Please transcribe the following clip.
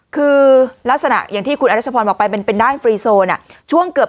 คือลักษณะอย่างที่คุณอรัชพรบอกไปเป็นด้านฟรีโซนช่วงเกือบ